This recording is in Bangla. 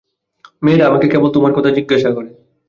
মেয়েরা আমাকে কেবল তোমার কথা জিজ্ঞাসা করে।